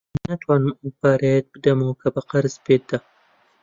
ناتوانم ئەو پارەیەت بدەمەوە کە بە قەرز پێت دام.